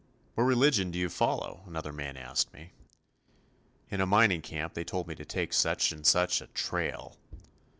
"What religion do you follow?" another man asked me. In a mining camp they told me to take such and such a "trail."